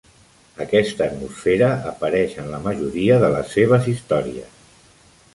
Aquesta atmosfera apareix en la majoria de les seves històries.